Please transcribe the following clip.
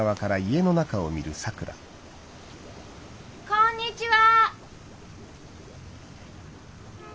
こんにちは！